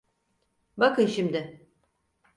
Bakın şimdi.